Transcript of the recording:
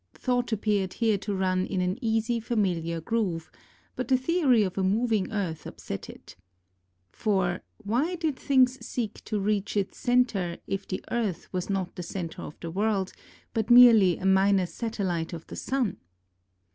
Thought appeared here to run in an easy familiar groove, but the theory of a moving earth upset it. For, why did things seek to reach its centre if the Earth was not the centre of the world, but merely a minor satellite of the Sun